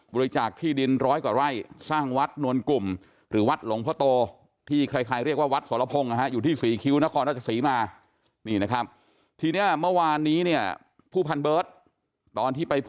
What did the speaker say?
บริจาคที่ดินร้อยกว่าไร่สร้างวัดนวลกลุ่มหรือวัดหลงพระโต